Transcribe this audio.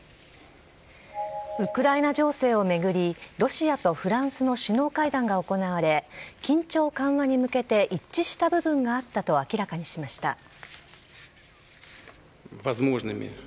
ウクライナ情勢を巡り、ロシアとフランスの首脳会談が行われ、緊張緩和に向けて一致した部分があったと明らかにしました。